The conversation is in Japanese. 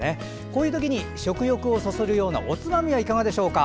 こういうときに食欲をそそるようなおつまみはいかがでしょうか。